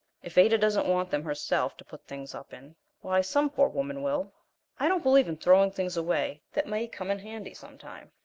If Ada doesn't want them herself to put things up in, why, some poor woman will. I don't believe in throwing things away that may come in handy sometime.